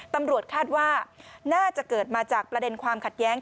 ตำรวจคาดว่าน่าจะเกิดมาจากประเด็นความขัดแย้ง